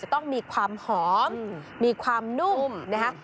ต้องมีความหอมมีความนุ่มนะฮะ